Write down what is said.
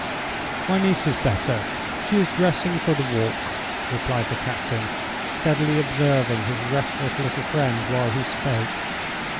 "My niece is better—she is dressing for the walk," replied the captain, steadily observing his restless little friend while he spoke.